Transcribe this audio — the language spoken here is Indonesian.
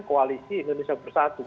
koalisi indonesia bersatu